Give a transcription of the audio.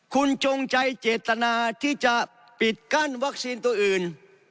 คุณจงใจเจตนาที่จะปิดกั้นวัคซีนตัวอื่น